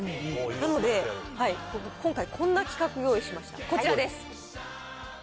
なので、今回、こんな企画を用意しました、こちらです。